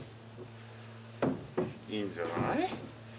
いいんじゃない？